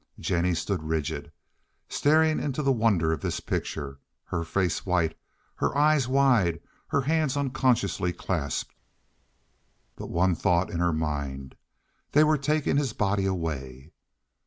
Jennie stood rigid, staring into the wonder of this picture, her face white, her eyes wide, her hands unconsciously clasped, but one thought in her mind—they were taking his body away.